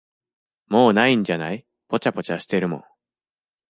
もう無いんじゃない、ぽちゃぽちゃしてるもん。